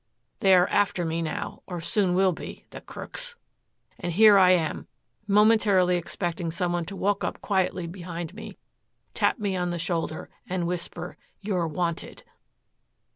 They are after me now, or soon will be the crooks! And here I am, momentarily expecting some one to walk up quietly behind me, tap me on the shoulder and whisper, 'You're wanted.'"